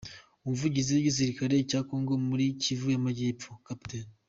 Umuvugizi w’Igisirikare cya Congo muri Kivu y’Amajyepfo, Capt.